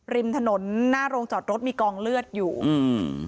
ริมถนนหน้าโรงจอดรถมีกองเลือดอยู่อืม